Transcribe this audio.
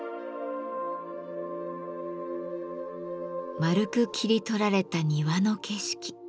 円く切り取られた庭の景色。